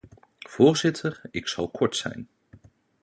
Voorzitter, ik zal kort zijn.